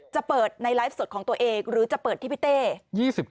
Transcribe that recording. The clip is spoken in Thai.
จะเปิดในไลฟ์สดของตัวเองหรือจะเปิดที่พี่เต้